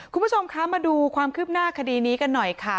คุณผู้ชมคะมาดูความคืบหน้าคดีนี้กันหน่อยค่ะ